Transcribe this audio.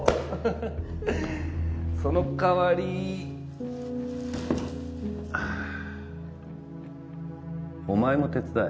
そのかわりお前も手伝え。